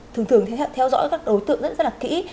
chúng thường thường theo dõi các đối tượng rất là kỹ